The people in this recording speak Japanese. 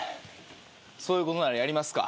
そういうことならやりますか。